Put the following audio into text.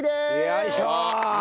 よいしょ！